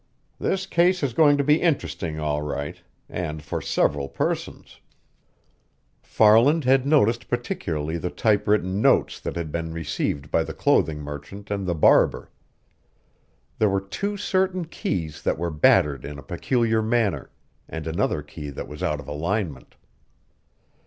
"This case is going to be interesting, all right and for several persons." Farland had noticed particularly the typewritten notes that had been received by the clothing merchant and the barber. There were two certain keys that were battered in a peculiar manner, and another key that was out of alignment.